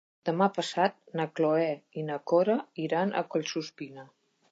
Demà passat na Cloè i na Cora iran a Collsuspina.